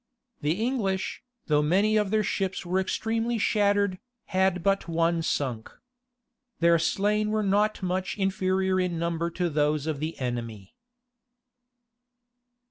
The English, though many of their ships were extremely shattered, had but one sunk. Their slain were not much inferior in number to those of the enemy.